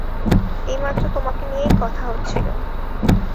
এইমাত্র তোমাকে নিয়েই কথা হচ্ছিল।